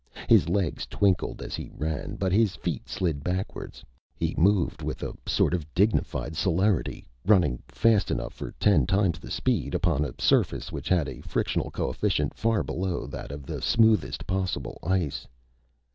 His legs twinkled as he ran. But his feet slid backward. He moved with a sort of dignified celerity, running fast enough for ten times the speed, upon a surface which had a frictional coefficient far below that of the smoothest possible ice.